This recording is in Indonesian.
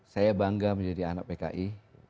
saya bangga menjadi anak pki